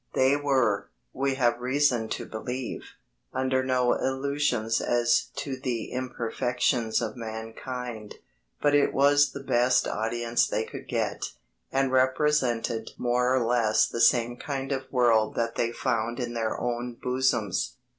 They were, we have reason to believe, under no illusions as to the imperfections of mankind. But it was the best audience they could get, and represented more or less the same kind of world that they found in their own bosoms.